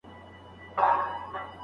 د جرګي په پای کي به ډله ییزه دعا کيده.